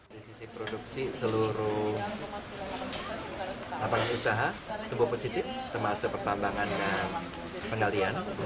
di sisi produksi seluruh lapangan usaha tumbuh positif termasuk pertambangan dan pendalian